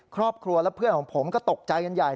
ครอบครัวและเพื่อนของผมก็ตกใจกันใหญ่